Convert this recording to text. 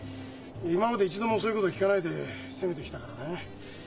今まで一度もそういうこと聞かないで責めてきたからね。